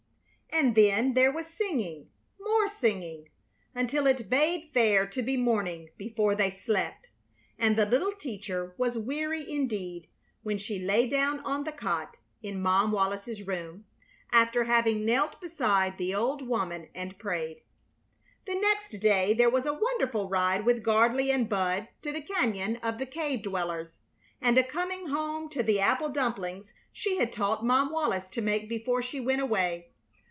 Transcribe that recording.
And then there was singing, more singing, until it bade fair to be morning before they slept, and the little teacher was weary indeed when she lay down on the cot in Mom Wallis's room, after having knelt beside the old woman and prayed. The next day there was a wonderful ride with Gardley and Bud to the cañon of the cave dwellers, and a coming home to the apple dumplings she had taught Mom Wallis to make before she went away.